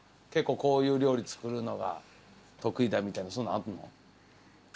結構こういう料理作るのが得意だみたいなそんなんあるの？